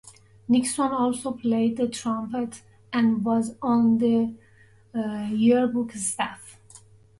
Nixon also played the trumpet and was on the yearbook staff.